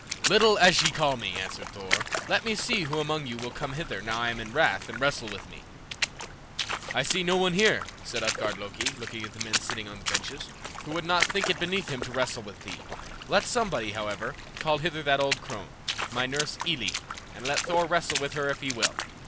"Little as ye call me," answered Thor, "let me see who among you will come hither now I am in wrath and wrestle with me." "I see no one here," said Utgard Loki, looking at the men sitting on the benches, "who would not think it beneath him to wrestle with thee; let somebody, however, call hither that old crone, my nurse Elli, and let Thor wrestle with her if he will.